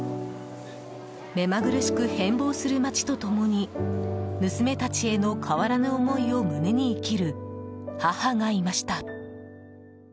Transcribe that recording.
目まぐるしく変貌する街と共に娘たちへの変わらぬ思いを胸に生きる母がいました。